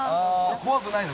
怖くないの？